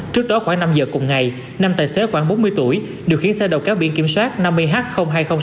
trước đó khoảng năm giờ cùng ngày năm tài xế khoảng bốn mươi tuổi điều khiến xe đầu cáo biển kiểm soát năm mươi h hai nghìn sáu mươi bốn